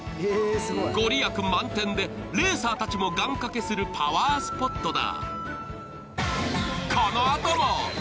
御利益満点でレーサーたちも願掛けするパワースポットだ。